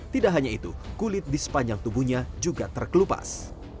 tidak hanya itu kulit di sepanjang tubuhnya juga terkelupas